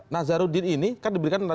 nazaruddin ini kan diberikan